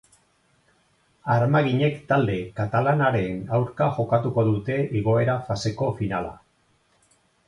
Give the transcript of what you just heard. Armaginek talde katalanaren aurka jokatuko dute igoera faseko finala.